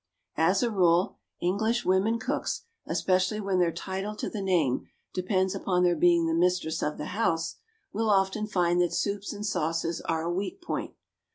As a rule, English women cooks, especially when their title to the name depends upon their being the mistress of the house, will often find that soups and sauces are a weak point.